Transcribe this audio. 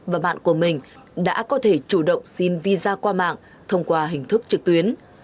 và bạn của mình đã có thể chủ động xin visa qua mạng thông qua hình thức trực tuyến